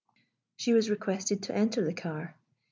She was requested to enter the car.